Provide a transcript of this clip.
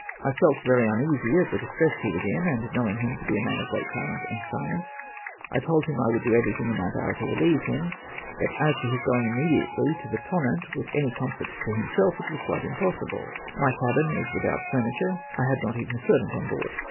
I felt, very uneasy at the distress he was in, and knowing him to be a man of great talent and science, I told him I would do everything in my power to relieve him, but as to his going immediately to the Tomiant with any comfort to himself, it was quite impossible ; my cabin was without furniture, I had not even a servant on board.